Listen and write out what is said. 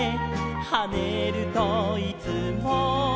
「はねるといつも」